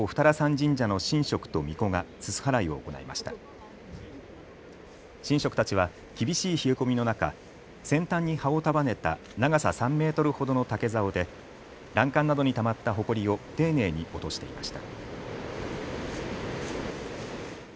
神職たちは厳しい冷え込みの中、先端に葉を束ねた長さ３メートルほどの竹ざおで欄干などにたまったほこりを丁寧に落としていました。